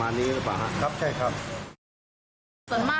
คู่นี้ก็รวยแล้วค่ะ